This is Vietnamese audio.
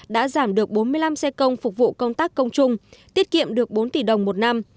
đã giảm được bốn mươi năm xe công phục vụ công tác công chung tiết kiệm được bốn tỷ đồng một năm